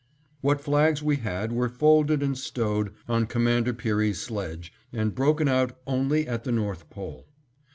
What flags we had were folded and stowed on Commander Peary's sledge, and broken out only at the North Pole.